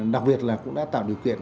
đặc biệt là cũng đã tạo điều kiện